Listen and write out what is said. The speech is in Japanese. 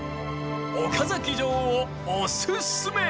岡崎城をおすすめ！